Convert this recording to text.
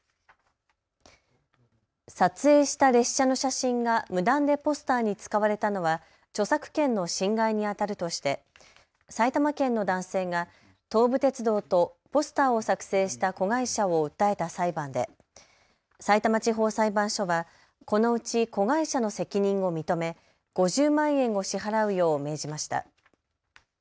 撮影した列車の写真が無断でポスターに使われたのは著作権の侵害にあたるとして埼玉県の男性が東武鉄道とポスターを作成した子会社を訴えた裁判でさいたま地方裁判所はこのうち子会社の責任を認め５０万円を支払うよう命じました。